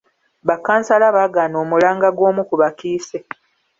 Ba kkansala baagaana omulanga gw'omu ku bakiise.